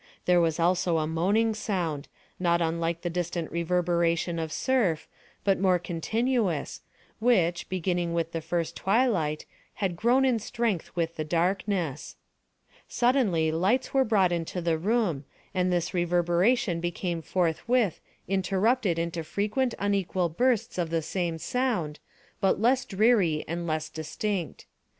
There was also a moaning sound, not unlike the distant reverberation of surf, but more continuous, which, beginning with the first twilight, had grown in strength with the darkness. Suddenly lights were brought into the room, and this reverberation became forthwith interrupted into frequent unequal bursts of the same sound, but less dreary and less distinct.